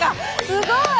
すごい！